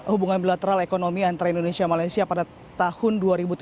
hubungan bilateral ekonomi antara indonesia malaysia pada tahun dua ribu tujuh belas